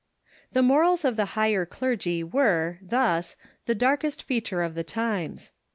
] The morals of the liigher clergy Avere, thus, the darkest feature of the times.